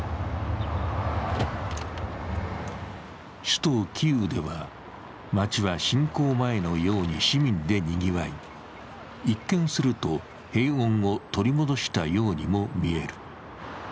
首都キーウでは、街は侵攻前のように市民でにぎわい、一見すると、平穏を取り戻したようにも見える。